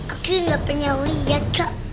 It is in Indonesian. akhirnya gak pernah liat kak